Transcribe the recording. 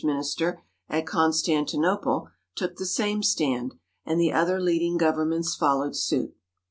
minister at Constantinople, took the same stand, and the other leading governments followed suit.